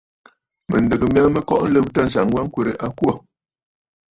Mɨ̀ndɨgə mya kɔʼɔ lɨmtə ànsaŋ wa ŋkwerə a kwô.